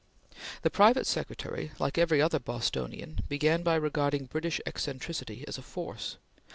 The private secretary, like every other Bostonian, began by regarding British eccentricity as a force.